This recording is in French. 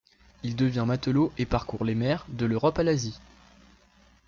Il devient matelot et parcourt les mers, de l'Europe à l'Asie.